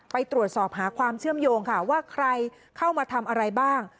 ไปตรวจสอบหาความเชื่อมโยงค่ะว่าใครเข้ามาทำอะไรบ้าง